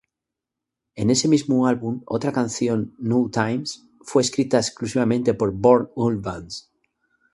En ese mismo álbum otra canción, "No Time", fue escrita exclusivamente por Björn Ulvaeus.